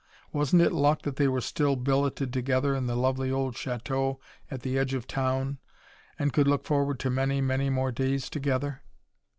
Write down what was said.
Wasn't it luck that they were still billeted together in the lovely old chateau at the edge of town, and could look forward to many, many more days together?